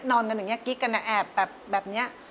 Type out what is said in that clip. นอนกันอย่างนี้กิ๊กกันแอบแบบนี้